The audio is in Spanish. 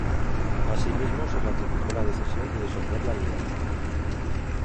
Asimismo se ratificó la decisión de disolver la "Alianza".